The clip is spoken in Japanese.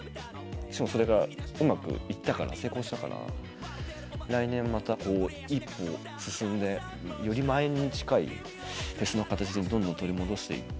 それがうまくいったから成功したから来年また一歩進んでより前に近いフェスの形にどんどん取り戻していって。